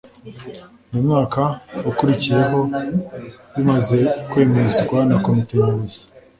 ,mumwaka ukurikiyeho bimaze kwemezwa na Komite Nyobozi,